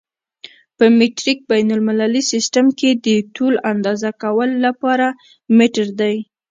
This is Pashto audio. په مټریک بین المللي سیسټم کې د طول اندازه کولو لپاره متر دی.